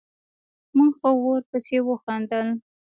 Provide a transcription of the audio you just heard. موږ ښه ورپسې وخندل.